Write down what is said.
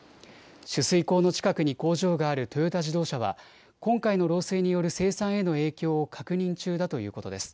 取水口の近くに工場があるトヨタ自動車は今回の漏水による生産への影響を確認中だということです。